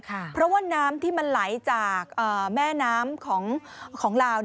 เพราะว่าน้ำที่มันไหลจากแม่น้ำของลาว